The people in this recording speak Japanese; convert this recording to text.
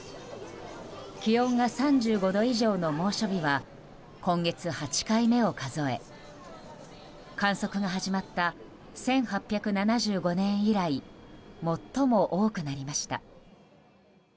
気温が３５度以上の猛暑日は今月８回目を数え観測が始まった１８７５年以来最も多くなりました。